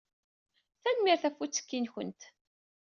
Tanemmirt ɣef uttekki-nwent.